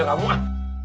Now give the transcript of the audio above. enggak mau ah